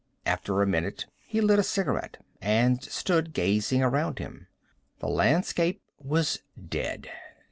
After a minute he lit a cigarette and stood gazing around him. The landscape was dead.